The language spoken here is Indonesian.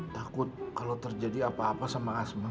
takut kalau terjadi apa apa sama asma